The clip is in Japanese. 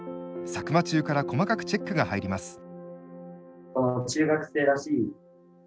佐久間中から細かくチェックが入ります。